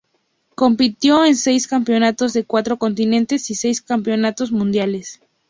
Compitió en seis campeonatos de cuatro continentes y seis campeonatos mundiales.